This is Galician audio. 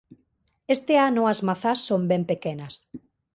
Este ano as mazás son ben pequenas.